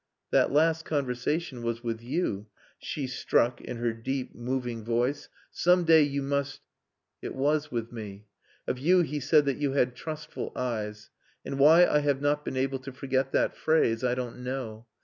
"That last conversation was with you," she struck in her deep, moving voice. "Some day you must...." "It was with me. Of you he said that you had trustful eyes. And why I have not been able to forget that phrase I don't know.